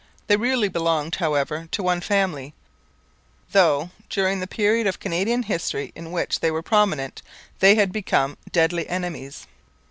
They really belonged, however, to one family, though during the period of Canadian history in which they were prominent they had become deadly enemies.